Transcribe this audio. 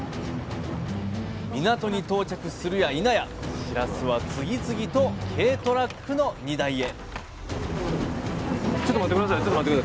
港に到着するやいなやしらすは次々と軽トラックの荷台へ！